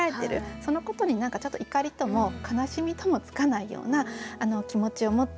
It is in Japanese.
そのことにちょっと怒りとも悲しみともつかないような気持ちを持っている。